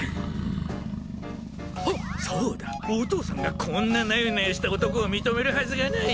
ハッそうだお父さんがこんなナヨナヨした男を認めるはずがない！